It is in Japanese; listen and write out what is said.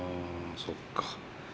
そっか。